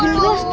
udah belas tuh